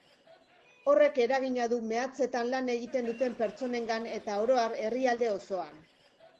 Horrek eragina du mehatzetan lan egiten duten pertsonengan eta orohar herrialde osoan.